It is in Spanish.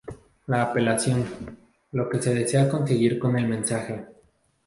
La apelación: lo que se desea conseguir con el mensaje.